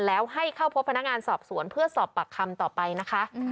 แล้วให้เข้าพบพนักงานสอบสวนเพื่อสอบปากคำต่อไปนะคะ